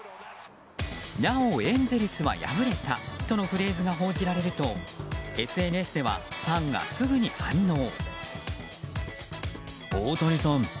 なおエンゼルスは敗れたとのフレーズが報じられるとＳＮＳではファンがすぐに反応。